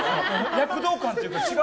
躍動感って言うから。